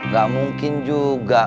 gak mungkin juga